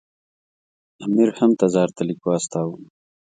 امیر هم تزار ته لیک واستاوه.